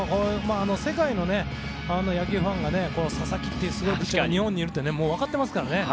世界の野球ファンが佐々木っていうすごい選手が日本にいるって分かってますからね。